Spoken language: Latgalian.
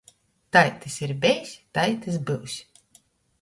Tai tys ir bejs, tai tys byus.